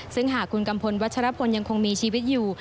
ซึ่งหากคุณกัมพลวัชรพลยังคงมีชีวิตอยู่